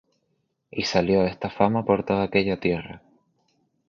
Y salió esta fama por toda aquella tierra.